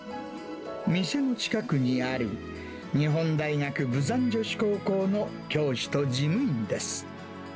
店の近くにある日本大学豊山女子高校の教師と事務員です。